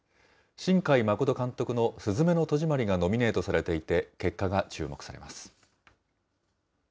新海誠監督のすずめの戸締まりがノミネートされていて、結果が注目されます。